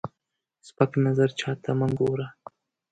سپک نظر چاته مه ګوره